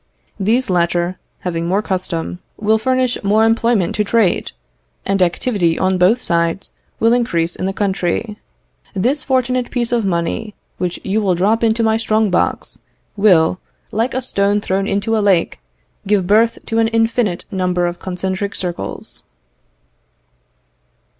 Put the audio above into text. These latter, having more custom, will furnish more employment to trade, and activity on both sides will increase in the country. This fortunate piece of money, which you will drop into my strong box, will, like a stone thrown into a lake, give birth to an infinite number of concentric circles."